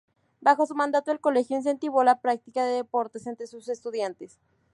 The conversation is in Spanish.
Bajo su mandato, el colegio incentivó la práctica de deportes entre sus estudiantes.